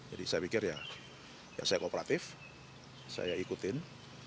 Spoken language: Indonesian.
jadi saya pikir ya saya kooperatif saya ikutin